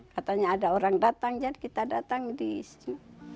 katanya ada orang datang jadi kita datang di situ